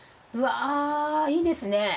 うわぁいいですね。